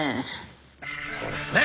そうですね。